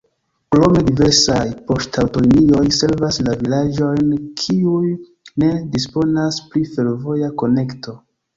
Krome diversaj poŝtaŭtolinioj servas la vilaĝojn, kiuj ne disponas pri fervoja konekto.